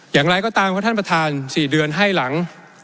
อย่างไรก็ตามครับท่านประธาน๔เดือนให้หลัง